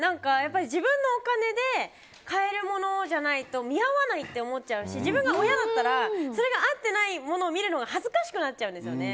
自分のお金で買えるものじゃないと見合わないって思っちゃうし自分が親だったら合ってないものを見るのが恥ずかしくなっちゃうんですよね。